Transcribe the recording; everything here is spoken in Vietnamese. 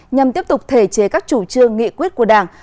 nhằm tiếp tục thể chế các chủ trương nghị quyết của đảng